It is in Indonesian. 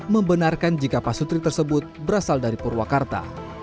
membenarkan jikapa sutri tersebut berasal dari purwakarta